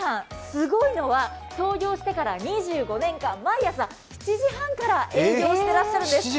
すごいのは、創業してから２５年間毎朝７時半から営業してらっしゃるんです。